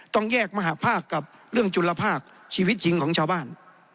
ต้องแยกมหาภาคกับเรื่องจุลภาคชีวิตจริงของชาวบ้าน